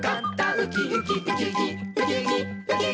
「ウキウキウキウキウキウキ」